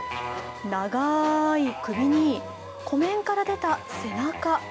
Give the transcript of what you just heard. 長い首に湖面から出た背中。